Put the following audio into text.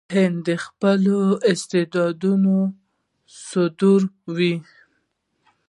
هند خپل استعدادونه صادروي.